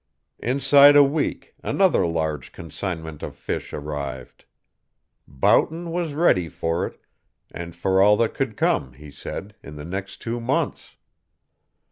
Inside a week another large consignment of fish arrived. Boughton was ready for it, and for all that could come, he said, in the next two months.